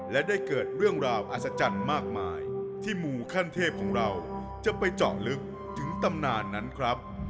และได้เกิดเรื่องราวอัศจรรย์มากมายที่หมู่ขั้นเทพของเราจะไปเจาะลึกถึงตำนานนั้นครับ